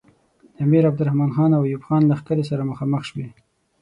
د امیر عبدالرحمن خان او ایوب خان لښکرې سره مخامخ شوې.